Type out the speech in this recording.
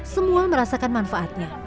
semua merasakan manfaatnya